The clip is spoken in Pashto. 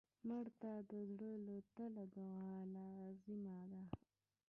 مړه ته د زړه له تله دعا لازم ده